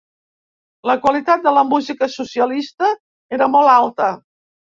La qualitat de la música socialista era molt alta.